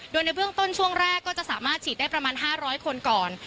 โดยในเบื้องต้นช่วงแรกก็จะสามารถฉีดได้ประมาณ๕๐๐คนก่อน